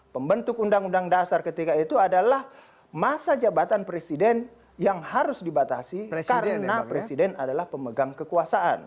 pembentuk undang undang dasar ketika itu adalah masa jabatan presiden yang harus dibatasi karena presiden adalah pemegang kekuasaan